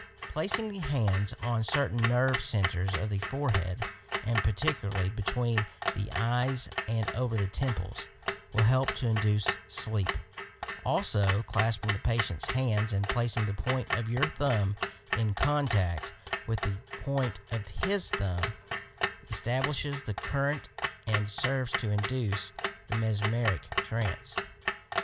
Placing the hands on certain nerve centres of the forehead, and particularly between the eyes and over the temples, will help to induce sleep; also clasping the patient's hands and placing the point of your thumb in contact with the point of his thumb establishes the current and serves to induce the mesmeric trance.